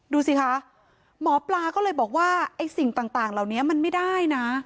ดูสิคะหมอปลาก็เลยบอกว่าไอ้สิ่งต่างเหล่านี้มันไม่ได้นะ